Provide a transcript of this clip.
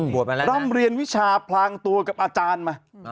บวชมาแล้วนะร่ำเรียนวิชาพลางตัวกับอาจารย์มา